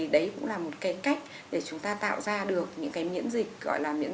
đấy cũng là một cách để chúng ta tạo ra được những miễn dịch